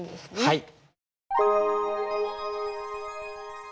はい。